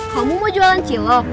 kamu mau jualan cilok